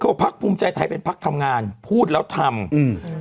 พักภูมิใจไทยเป็นพักทำงานพูดแล้วทำอืม